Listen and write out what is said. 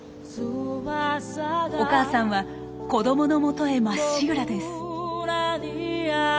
お母さんは子どものもとへまっしぐらです。